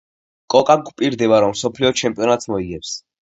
კოკა გვპირდება რომ მსოფლიო ჩემპიონატს მოიგებს